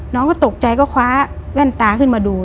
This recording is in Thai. น้องก็ตกใจก็คว้าแว่นตาขึ้นมาดู